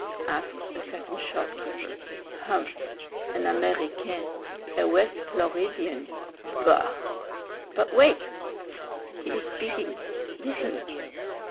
asks a second shopkeeper. "Humph! an Américain a West Floridian; bah!" "But wait; 'st! he is speaking; listen!"